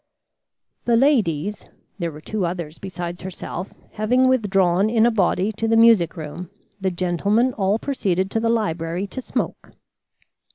The ladies (there were two others besides herself) having withdrawn in a body to the music room, the gentlemen all proceeded to the library to smoke.